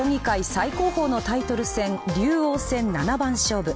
最高峰のタイトル戦、竜王戦七番勝負。